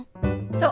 そう。